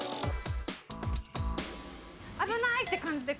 「危ない！」って感じで。